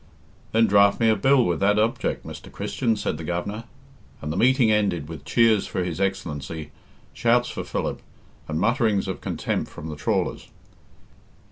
"Then draft me a bill with that object, Mr. Christian," said the Governor, and the meeting ended with cheers for His Excellency, shouts for Philip, and mutterings of contempt from the trawlers.